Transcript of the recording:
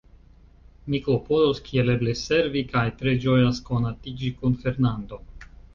Mi klopodos kiel eble servi, kaj tre ĝojas konatiĝi kun Fernando.